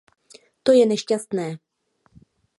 To je nešťastné.